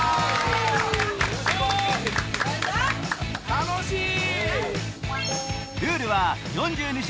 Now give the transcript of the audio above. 楽しい！